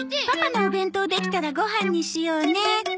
パパのお弁当できたらご飯にしようね。